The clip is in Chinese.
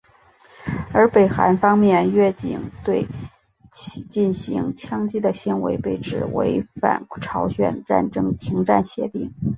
而北韩方面越境对其进行枪击的行为被指违反朝鲜战争停战协定。